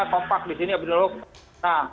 kompak di sini abdul nah